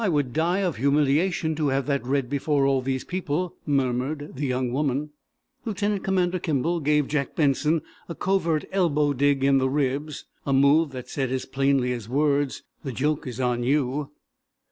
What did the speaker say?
"I would die of humiliation, to have that read before all these people," murmured the young woman. Lieutenant Commander Kimball gave Jack Benson a covert elbow dig in the ribs, a move said, as plainly as words: "The joke is on you."